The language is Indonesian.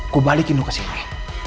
gua balikin lo ke sini